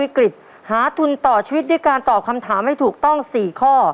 วิกฤตหาทุนต่อชีวิตด้วยการตอบคำถามให้ถูกต้อง๔ข้อ